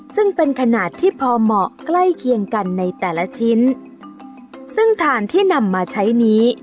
ซึ่งเป็นขนาดที่พอเหมาะใกล้เคียงกันในแต่ละชิ้นซึ่งถ่านที่นำมาใช้นี้